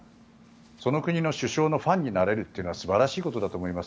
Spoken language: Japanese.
その国の首相のファンになれるのは素晴らしいことだと思います。